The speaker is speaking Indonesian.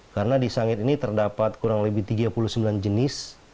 karena di sangit ini terdapat kurang lebih tiga puluh sembilan jenis